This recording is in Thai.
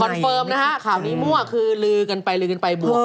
เฟิร์มนะฮะข่าวนี้มั่วคือลือกันไปลือกันไปบวก